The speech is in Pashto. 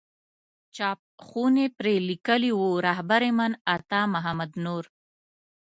چاپ خونې پرې لیکلي وو رهبر من عطا محمد نور.